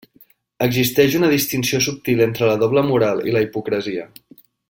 Existeix una distinció subtil entre la doble moral i la hipocresia.